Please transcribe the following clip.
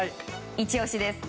イチ押しです。